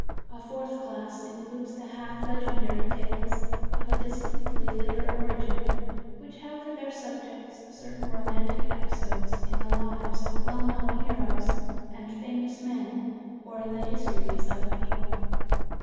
A fourth class includes the half legendary tales of a distinctly later origin, which have for their subjects certain romantic episodes in the lives of well known heroes and famous men, or in the history of a people.